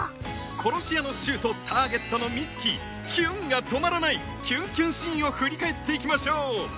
殺し屋の柊とターゲットの美月キュンが止まらないキュンキュンシーンを振り返って行きましょう